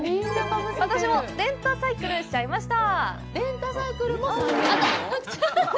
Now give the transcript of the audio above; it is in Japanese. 私もレンタサイクルしちゃいました。